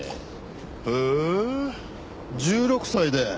へえ１６歳で。